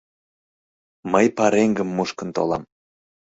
Мый пареҥгым мушкын толам.